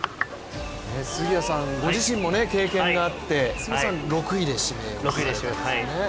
杉谷さんはご自身も経験があって６位で指名をされたんですね。